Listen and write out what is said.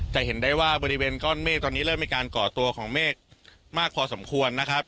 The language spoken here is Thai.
จะเห็นได้ว่าบริเวณก้อนเมฆตอนนี้เริ่มมีการก่อตัวของเมฆมากพอสมควรนะครับ